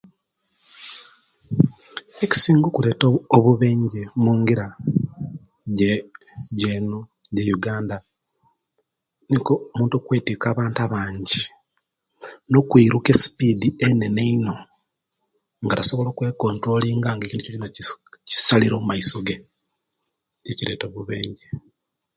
Ekisinga okuleeta obubenje mungira je jenu e Uganda, nikwo omuntu okwetika abantu abangi, no kwiruka esipiddi enene eino nga tasobola okwe konturolinga nga ekintu kyonakyona kisalire emaiso ge, nikyo ekireta obubenje.